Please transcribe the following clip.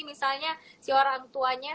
misalnya si orang tuanya